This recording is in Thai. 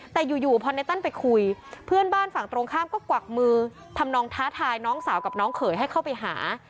แต่อยู่พอในตั้นไปคุยเพื่อนบ้านฝั่งตรงข้ามก็กวักมือทำนองท้าทายน้องสาวกับน้องเขยให้เข้าไปหา